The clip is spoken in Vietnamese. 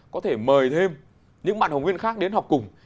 có thể mời thêm những bạn học viên khác đến học cùng